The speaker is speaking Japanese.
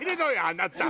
あなた。